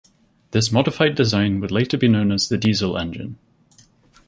This modified design would later be known as the diesel engine.